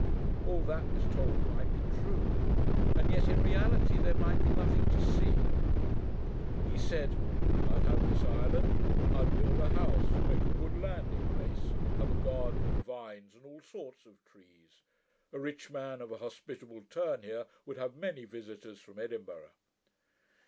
All that was told might be true, and yet in reality there might be nothing to see. He said, 'I'd have this island. I'd build a house, make a good landing place, have a garden, and vines, and all sorts of trees. A rich man, of a hospitable turn, here, would have many visitors from Edinburgh.'